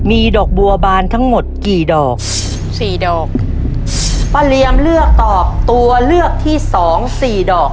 มีดอกบัวบานทั้งหมดกี่ดอกสี่ดอกป้าเลียมเลือกตอบตัวเลือกที่สองสี่ดอก